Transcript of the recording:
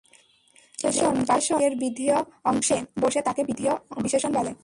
যে বিশেষণ বাক্যের বিধেয় অংশে বসে তাকে বিধেয় বিশেষণ বলে।